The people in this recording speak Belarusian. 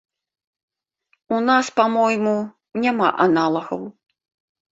У нас, па-мойму, няма аналагаў.